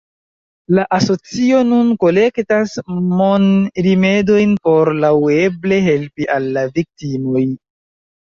La asocio nun kolektas monrimedojn por laŭeble helpi al la viktimoj.